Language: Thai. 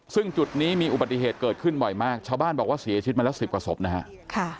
ซึ่งจุดนี้มีอุบัติเหตุเกิดขึ้นบ่อยมากชาวบ้านบอกว่าเสียชีวิตมาแล้ว๑๐กว่าศพนะฮะ